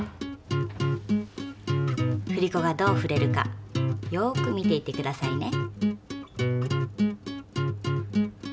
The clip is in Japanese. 振り子がどう振れるかよく見ていてくださいね。